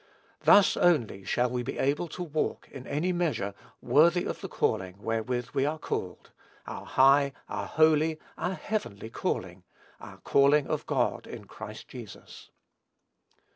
Thus only shall we be able to walk, in any measure, "worthy of the calling wherewith we are called," our high, our holy, our heavenly calling, our "calling of God in Christ Jesus."